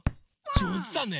じょうずだね！